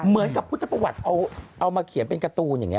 เหมือนกับพุทธประวัติเอามาเขียนเป็นการ์ตูนอย่างนี้